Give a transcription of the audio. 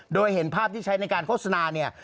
โดยเห็นภาพที่ใช้ในการโฆษณาเนี่ย